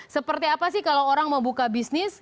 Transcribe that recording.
seperti apa sih kalau orang mau buka bisnis